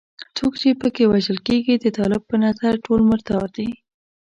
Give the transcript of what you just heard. څوک چې په کې وژل کېږي د طالب په نظر ټول مردار دي.